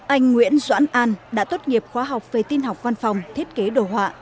anh nguyễn doãn an đã tốt nghiệp khoa học về tin học văn phòng thiết kế đồ họa